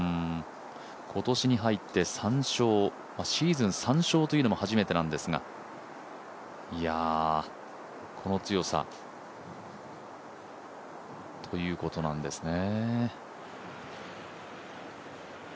今年に入って３勝、シーズン３勝というのも初めてなんですが、この強さということなんですね。